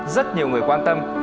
rất nhiều người quan tâm